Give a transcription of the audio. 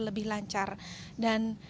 lebih lancar dan